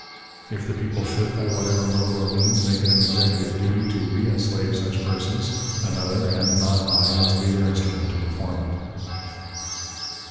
"If the people should, by whatever mode or means, make it an executive duty to reënslave such persons, another, and not I, must be their instrument to perform it."